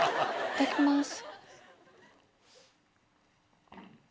いただきます。